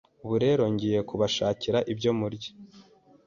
ubu rero, ngiye kubashakira ibyo murya